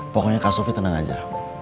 pokoknya kak sofi tenang aja